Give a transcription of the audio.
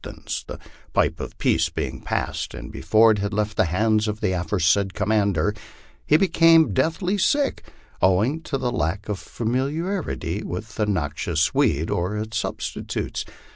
241 tains, the pipe of peace being passed, and before it had left the hands of the aforesaid commander, he becoming deathly sick, owing to lack of familiar ity with the noxious weed or its substitutes.